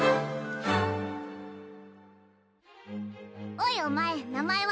おいお前名前は？